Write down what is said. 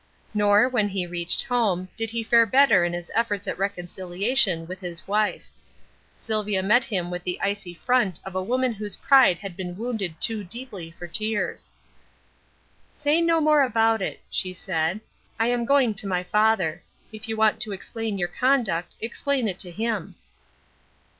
Nor, when he reached home, did he fare better in his efforts at reconciliation with his wife. Sylvia met him with the icy front of a woman whose pride has been wounded too deeply for tears. "Say no more about it," she said. "I am going to my father. If you want to explain your conduct, explain it to him."